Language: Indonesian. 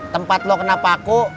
tempat lo kenapa aku